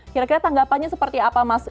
kira kira tanggapannya seperti apa mas